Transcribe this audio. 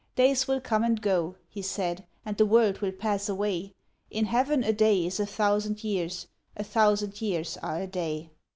'Days will come and go,' he said, 'and the world will pass away, In Heaven a day is a thousand years, a thousand years are a day.'